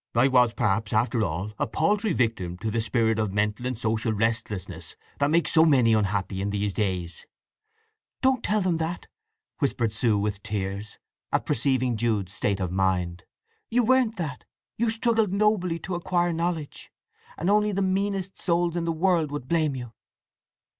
"I was, perhaps, after all, a paltry victim to the spirit of mental and social restlessness that makes so many unhappy in these days!" "Don't tell them that!" whispered Sue with tears, at perceiving Jude's state of mind. "You weren't that. You struggled nobly to acquire knowledge, and only the meanest souls in the world would blame you!"